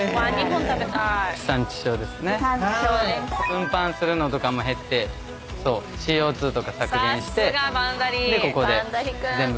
運搬するのとかも減ってＣＯ２とか削減してここで全部収まるじゃん。